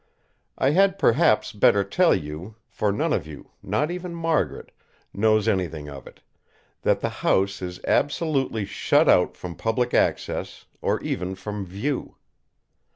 I had perhaps better tell you, for none of you, not even Margaret, knows anything of it, that the house is absolutely shut out from public access or even from view.